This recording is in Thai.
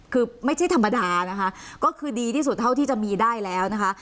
คือไม่ใช่ธรรมดานะคะก็คือดีที่สุดเท่าที่จะมีได้แล้วนะคะ